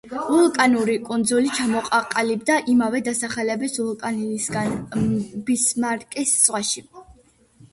ვულკანური კუნძული ჩამოყალიბდა იმავე დასახელების ვულკანისაგან, ბისმარკის ზღვაში.